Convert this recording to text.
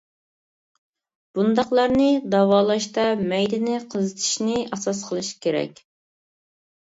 بۇنداقلارنى داۋالاشتا مەيدىنى قىزىتىشنى ئاساس قىلىش كېرەك.